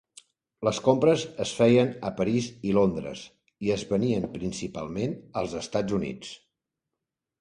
Les compres es feien a París i Londres i es venien principalment als Estats Units.